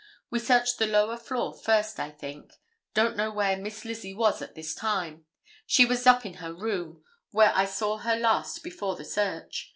We searched the lower floor first, I think. Don't know where Miss Lizzie was at this time. She was up in her room, where I saw her last before the search.